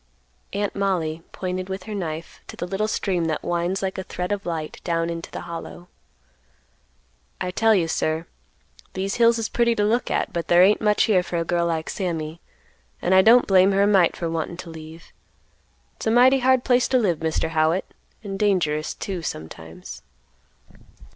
Aunt Mollie pointed with her knife to the little stream that winds like a thread of light down into the Hollow. "I tell you, sir, these hills is pretty to look at, but there ain't much here for a girl like Sammy, and I don't blame her a mite for wantin' to leave. It's a mighty hard place to live, Mr. Howitt, and dangerous, too, sometimes."